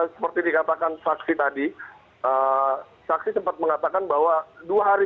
seperti dikatakan saksi tadi